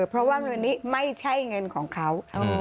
เพราะว่าเงินนี้ไม่ใช่เงินของเขา